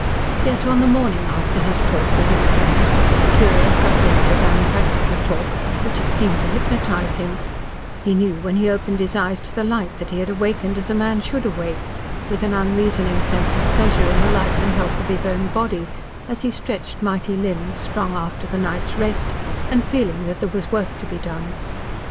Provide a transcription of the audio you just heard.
Yet on the morning after his talk with his friend the curious, uplifted, unpractical talk which had seemed to hypnotise him he knew when he opened his eyes to the light that he had awakened as a man should awake with an unreasoning sense of pleasure in the life and health of his own body, as he stretched mighty limbs, strong after the night's rest, and feeling that there was work to be done.